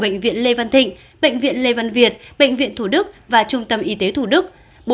bệnh viện lê văn thịnh bệnh viện lê văn việt thủ đức và trung tâm y tế thủ đức